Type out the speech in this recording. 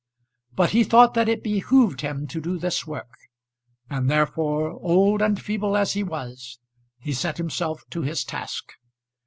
But he thought that it behoved him to do this work; and therefore, old and feeble as he was, he set himself to his task.